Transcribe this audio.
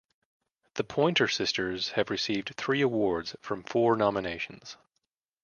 The Pointer Sisters have received three awards from four nominations.